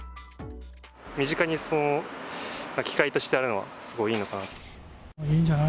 身近に機会としてあるのは、すごいいいのかな。